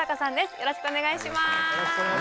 よろしくお願いします。